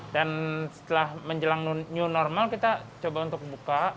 dan setelah menjelang new normal kita coba untuk buka